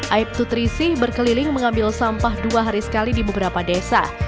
aibtu trisih berkeliling mengambil sampah dua hari sekali di beberapa desa